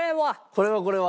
これはこれは？